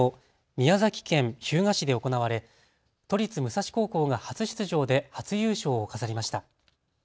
宮崎県日向市で行われ都立武蔵高校が初出場で初優勝を飾りました。